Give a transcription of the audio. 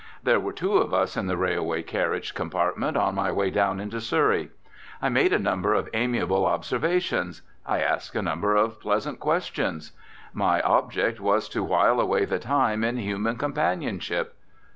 There were two of us in the railway carriage compartment on my way down into Surrey. I made a number of amiable observations; I asked a number of pleasant questions. My object was to while away the time in human companionship.